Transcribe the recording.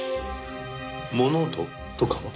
物音とかは？